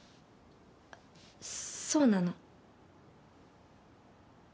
そうなの？